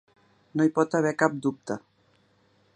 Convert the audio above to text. No hi pot haver cap dubte.